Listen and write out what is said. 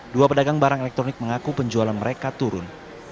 dua pedagang barang elektronik mengaku penjualan mereka turun